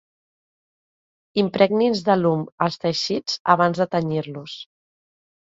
Impregnis d'alum els teixits abans de tenyir-los.